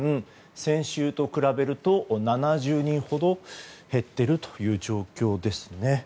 先週と比べると７０人ほど減っているという状況ですね。